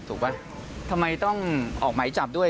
ถูกไหมทำไมต้องออกหมายจับด้วย